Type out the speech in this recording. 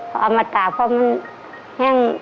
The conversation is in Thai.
พอเอามาตากเพราะมันแห้ง